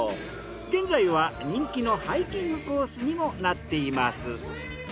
現在は人気のハイキングコースにもなっています。